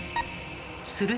すると。